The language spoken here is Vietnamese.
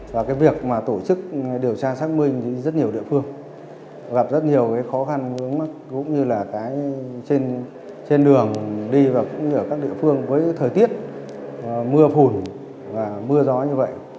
và cái việc mà tổ chức điều tra xác minh thì rất nhiều địa phương gặp rất nhiều cái khó khăn vướng mắt cũng như là cái trên đường đi và cũng như ở các địa phương với thời tiết mưa phùn và mưa gió như vậy